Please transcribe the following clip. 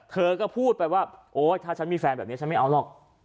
เธอก็พูดไปว่าโอ๊ยถ้าฉันมีแฟนแบบนี้ฉันไม่เอาหรอก